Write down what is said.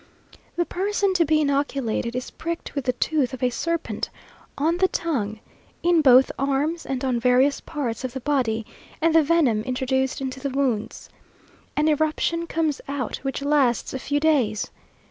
The person to be inoculated is pricked with the tooth of a serpent, on the tongue, in both arms and on various parts of the body; and the venom introduced into the wounds. An eruption comes out, which lasts a few days.